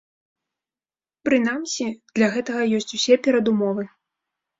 Прынамсі, для гэтага ёсць усе перадумовы.